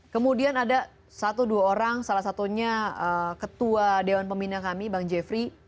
kemudian ada satu dua orang salah satunya ketua dewan pembina kami bang jeffrey